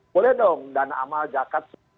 boleh dong dana amal zakat